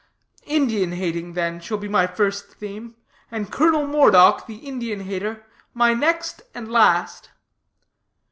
Indian hating, then, shall be my first theme, and Colonel Moredock, the Indian hater, my next and last."